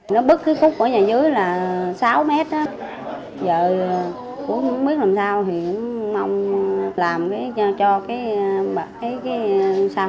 nó bức cái khúc ở nhà dưới là sáu mét giờ cũng không biết làm sao thì mong làm cho cái sao hẹ cho nó cố định cho người dân ở đây ở